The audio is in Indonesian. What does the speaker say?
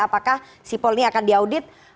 apakah sipol ini akan diaudit